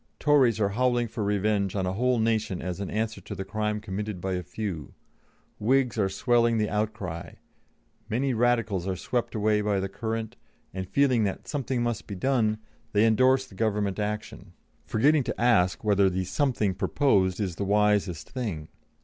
Tories are howling for revenge on a whole nation as answer to the crime committed by a few; Whigs are swelling the outcry; many Radicals are swept away by the current, and feeling that 'something must be done,' they endorse the Government action, forgetting to ask whether the 'something' proposed is the wisest thing.